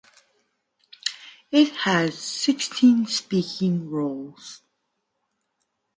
It has sixteen speaking roles.